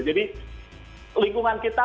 jadi lingkungan kita